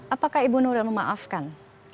apakah ibu nurul memaafkan